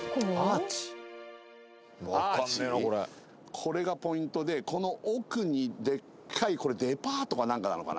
これがポイントでこの奥にでっかいこれデパートかなんかなのかな？